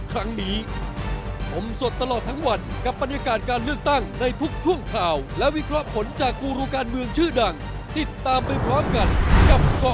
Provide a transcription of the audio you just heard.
ตั้งแต่เวลาสิทธิ์พบนาฬิกาไปต่อไป